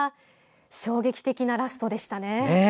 衝撃的なラストでしたね。